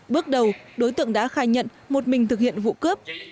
bước đầu đối tượng đã khai nhận một mình thực hiện vụ cướp